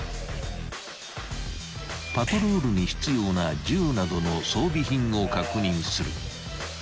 ［パトロールに必要な銃などの装備品を確認する］